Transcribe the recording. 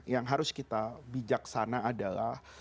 yang harus kita bijaksana adalah